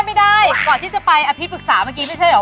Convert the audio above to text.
ไม่ได้ก่อนที่จะไปอภิษปรึกษาเมื่อกี้ไม่ใช่เหรอ